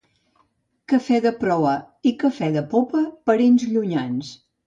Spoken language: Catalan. Cafè de proa i cafè de popa, parents llunyans.